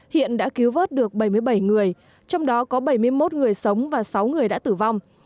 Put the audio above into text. hiện đã cứu vớt được bảy mươi bảy người trong đó có bảy mươi một người sống và sáu người đã tử vong